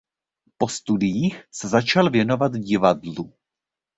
Po studiích se začal věnovat divadlu.